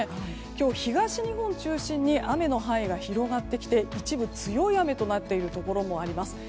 今日、東日本を中心に雨の範囲が広がってきて一部で強い雨となっているところもあります。